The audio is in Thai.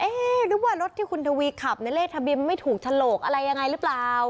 หรือว่ารถที่คุณทวีขับเนี่ยเลขทะเบียนไม่ถูกฉลกอะไรยังไงหรือเปล่า